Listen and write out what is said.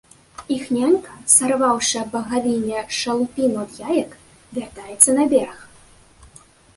Іх нянька, сарваўшы аб багавінне шалупіну ад яек, вяртаецца на бераг.